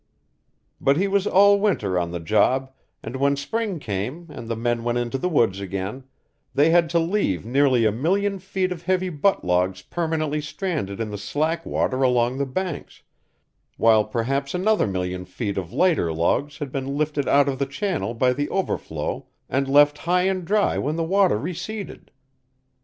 But he was all winter on the job, and when spring came and the men went into the woods again, they had to leave nearly a million feet of heavy butt logs permanently stranded in the slack water along the banks, while perhaps another million feet of lighter logs had been lifted out of the channel by the overflow and left high and dry when the water receded.